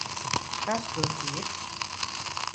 Kas tur ir?